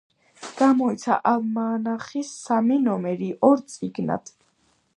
გამოიცა ალმანახის სამი ნომერი ორ წიგნად.